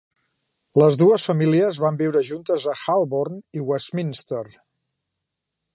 Les dues famílies van viure juntes a Holborn i Westminster.